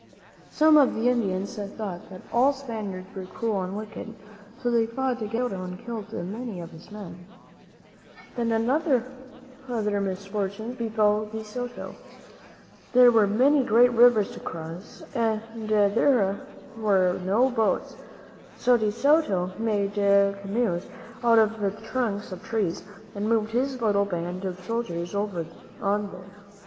Some of the Indians thought that all Spaniards were cruel and wicked, and so they fought against De Soto and killed many of his men. Then other misfortunes befell De Soto. There were many great rivers to cross and there were no boats; so De Soto made canoes out of the trunks of trees and moved his little band of soldiers over on these.